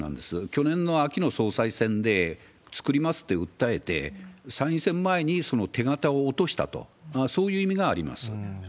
去年の秋の総裁選で作りますって訴えて、参院選前にその手形を落としたと、そういう意味があります。